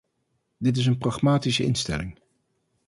Dit is een pragmatische instelling.